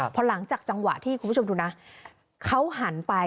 พอหลังจากจังหวะที่คุณผู้ชมดูนะเขาหันไป